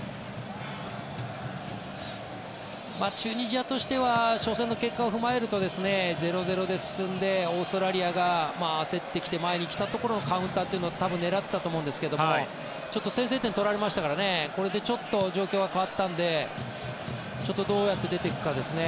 チュニジアとしては初戦の結果を踏まえると０−０で進んでオーストラリアが焦ってきて前に来たところをカウンターというのを多分狙っていたと思うんですけど先制点を取られましたからこれでちょっと状況は変わったのでどうやって出ていくかですね。